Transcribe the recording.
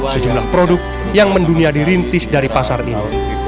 sejumlah produk yang mendunia dirintis dari pasar ini